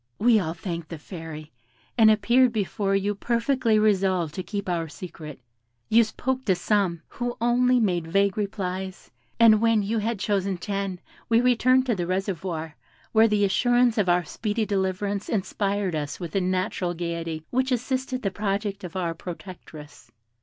We all thanked the Fairy, and appeared before you perfectly resolved to keep our secret. You spoke to some, who only made vague replies, and when you had chosen ten, we returned to the reservoir, where the assurance of our speedy deliverance inspired us with a natural gaiety which assisted the project of our protectress.